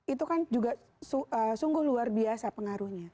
itu kan juga sungguh luar biasa pengaruhnya